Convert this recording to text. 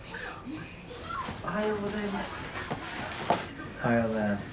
おはようございます。